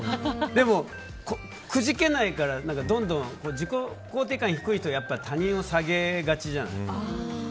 でも、くじけないからどんどん自己肯定感低い人は他人を下げがちじゃない？